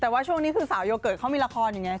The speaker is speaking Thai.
แต่ว่าช่วงนี้คือสาวโยเกิร์ตเขามีละครอยู่ไง